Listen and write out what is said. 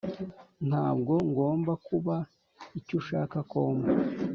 ntabwo ngomba kuba icyo ushaka ko mba.